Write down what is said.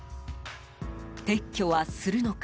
撤去はするのか。